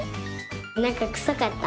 なんかくさかった。